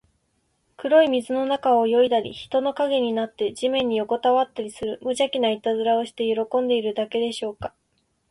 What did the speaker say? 黒い水の中を泳いだり、人の影になって地面によこたわったりする、むじゃきないたずらをして喜んでいるだけでしょうか。